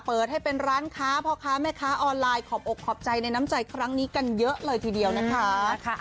เปิดให้เป็นร้านค้าพ่อค้าแม่ค้าออนไลน์ขอบอกขอบใจในน้ำใจครั้งนี้กันเยอะเลยทีเดียวนะคะ